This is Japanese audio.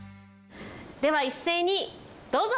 では一斉にどうぞ！